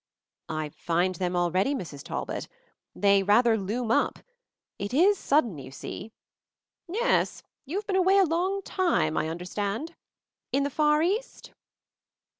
"I find them already, Mrs. Talbot. They rather loom up. It is sudden, you see." "Yes, you've been away a long time, I un derstand. In the far East?"